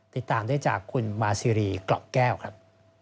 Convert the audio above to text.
ติดตามได้จากคุณมาซีรีเกาะแก้วครับ